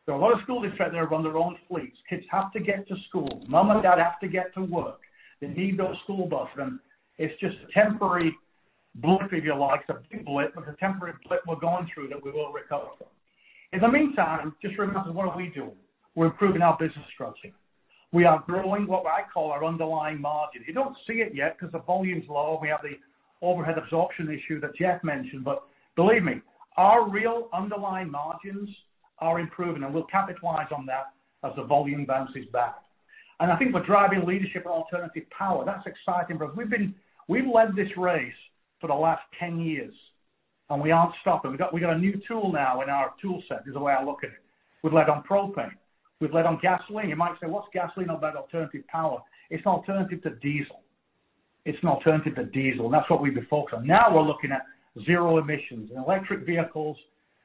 There are a lot of school districts out there that run their own fleets. Kids have to get to school. Mom and dad have to get to work. They need those school bus. It's just a temporary blip, if you like, a big blip, but a temporary blip we're going through that we will recover from. In the meantime, just remember, what are we doing? We're improving our business structure. We are growing what I call our underlying margin. You don't see it yet because the volume's low and we have the overhead absorption issue that Jeff mentioned, but believe me, our real underlying margins are improving, and we'll capitalize on that as the volume bounces back. I think we're driving leadership in alternative power. That's exciting for us. We've led this race for the last 10 years, we aren't stopping. We've got a new tool now in our tool set, is the way I look at it. We've led on propane. We've led on gasoline. You might say, what's gasoline about alternative power? It's an alternative to diesel. It's an alternative to diesel. That's what we've been focused on. Now we're looking at zero emissions and electric vehicles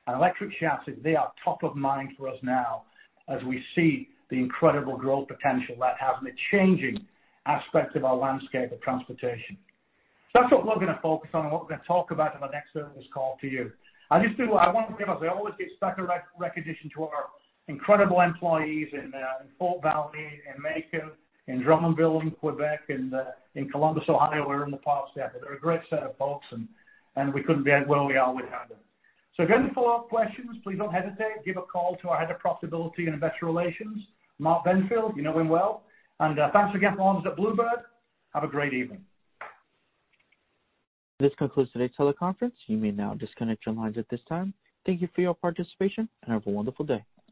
and electric chassis. They are top of mind for us now as we see the incredible growth potential that has in the changing aspects of our landscape of transportation. That's what we're going to focus on and what we're going to talk about on our next earnings call to you. I want to give, as I always do, special recognition to our incredible employees in Fort Valley, in Macon, in Drummondville, in Quebec, in Columbus, Ohio. We're in the process there. They're a great set of folks, and we couldn't be as where we are without them. Again, for questions, please don't hesitate. Give a call to our Head of Profitability and Investor Relations, Mark Benfield. You know him well. Thanks again for everyone's at Blue Bird. Have a great evening. This concludes today's teleconference. You may now disconnect your lines at this time. Thank you for your participation, and have a wonderful day.